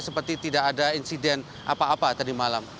seperti tidak ada insiden apa apa tadi malam